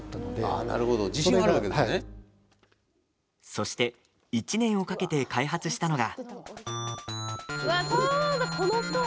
そして、１年をかけて開発したのが。